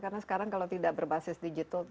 karena sekarang kalau tidak berbasis digital